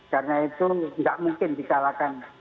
karena itu nggak mungkin dikalahkan